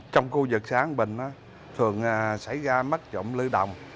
trong khu vực xã an bình thường xảy ra mất trộm lưu đồng